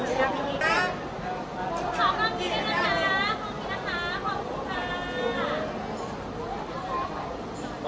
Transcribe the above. สวัสดีครับ